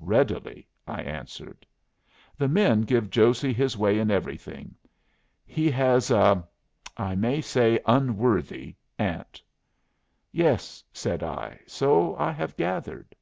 "Readily," I answered. "The men give Josey his way in everything. He has a I may say an unworthy aunt." "Yes," said I. "So I have gathered."